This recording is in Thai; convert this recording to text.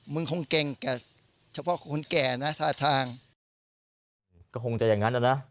มึงคงเก่งแก่เฉพาะคนแก่นะท่าทางก็คงจะอย่างนั้นนะ